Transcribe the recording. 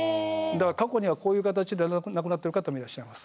過去にはこういう形で亡くなってる方もいらっしゃいます。